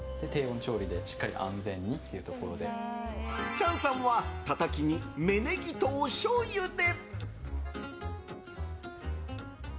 チャンさんはタタキに芽ネギとおしょうゆで。